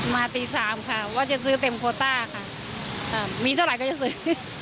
ตี๓ค่ะว่าจะซื้อเต็มโคต้าค่ะมีเท่าไหร่ก็จะซื้อ